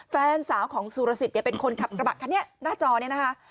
แฟนสาวของสุรสิทธิ์เป็นคนขับกระบะคันนี้หน้าจอเนี่ยนะคะ